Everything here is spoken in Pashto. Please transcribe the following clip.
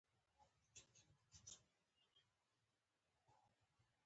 هندوکش د افغانانو د تفریح یوه وسیله ده.